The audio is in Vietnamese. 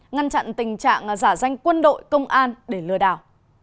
ngăn chặn tình trạng giả danh quân đội công an để lừa đảo